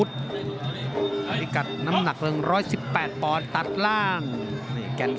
ครับครับครับครับครับครับครับครับ